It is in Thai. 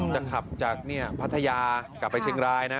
จะขับจากพัทยากลับไปเชียงรายนะ